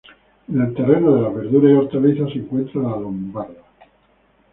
En el terreno de las verduras y hortalizas se encuentra la lombarda.